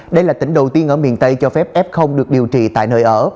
đây là tỉnh đầu tiên ở miền tây cho phép f được điều trị tại nơi ở